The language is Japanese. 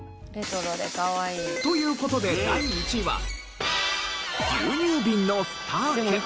という事で第１位は牛乳瓶の蓋あけ。